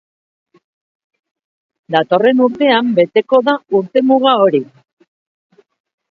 Datorren urtean beteko da urtemuga hori.